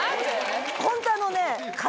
ホントあのね。